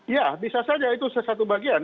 ya bisa saja itu sebagai satu bagian